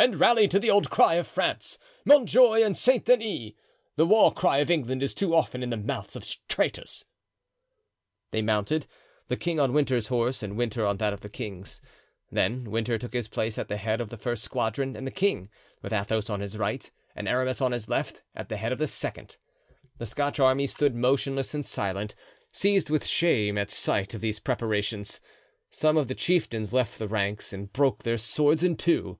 and rally to the old cry of France, 'Montjoy and St. Denis!' The war cry of England is too often in the mouths of traitors." They mounted—the king on Winter's horse and Winter on that of the king; then Winter took his place at the head of the first squadron, and the king, with Athos on his right and Aramis on his left, at the head of the second. The Scotch army stood motionless and silent, seized with shame at sight of these preparations. Some of the chieftains left the ranks and broke their swords in two.